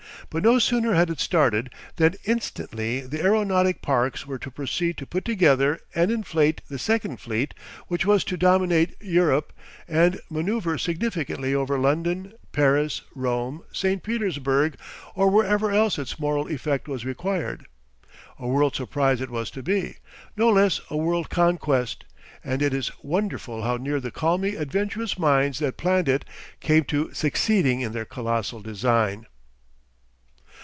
But no sooner had it started than instantly the aeronautic parks were to proceed to put together and inflate the second fleet which was to dominate Europe and manoeuvre significantly over London, Paris, Rome, St. Petersburg, or wherever else its moral effect was required. A World Surprise it was to be no less a World Conquest; and it is wonderful how near the calmly adventurous minds that planned it came to succeeding in their colossal design.